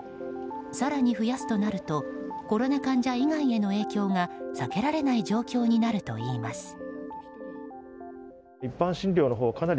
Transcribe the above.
更に増やすとなるとコロナ患者以外への影響が避けられない状況になるといいます。